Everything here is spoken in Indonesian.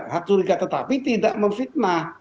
hak curiga tetapi tidak memfitnah